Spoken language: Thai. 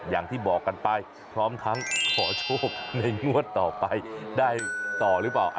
อย่างที่บอกกันไปพร้อมทั้งขอโชคในงวดต่อไปได้ต่อหรือเปล่า